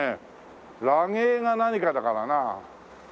「ラゲー」が何かだからな。